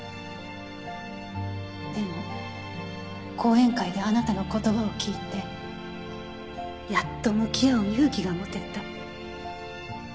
でも講演会であなたの言葉を聞いてやっと向き合う勇気が持てた。